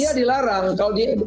kalau di india dilarang